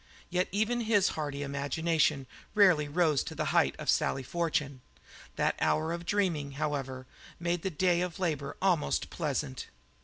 Yet even his hardy imagination rarely rose to the height of Sally Fortune. That hour of dreaming, however, made the day of labour almost pleasant.